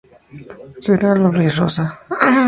Será la Blaze rosa.